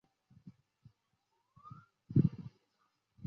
出任中央银行理事。